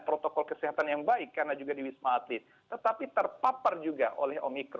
protokol kesehatan yang baik karena juga di wisma atlet tetapi terpapar juga oleh omikron